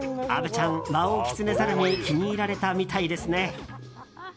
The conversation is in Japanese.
虻ちゃん、ワオキツネザルに気に入られたみたいですね。